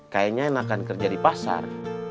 kayaknya enakan kerja di pasar